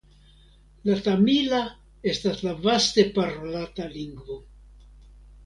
La tamila estas la vaste parolata lingvo.